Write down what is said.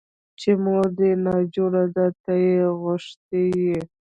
چې مور دې ناجوړه ده ته يې غوښتى يې.